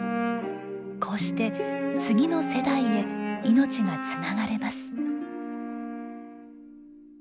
こうして次の世代へ命がつながれます。